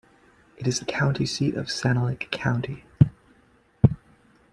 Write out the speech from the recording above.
It is the county seat of Sanilac County.